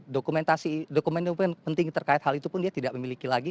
dokumentasi dokumen dokumen penting terkait hal itu pun dia tidak memiliki lagi